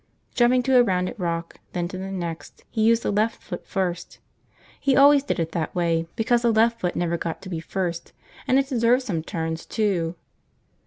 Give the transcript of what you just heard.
Jumping to a rounded rock, then to the next, he used the left foot first. He always did it that way because the left foot never got to be first and it deserved some turns, too.